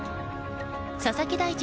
佐々木大地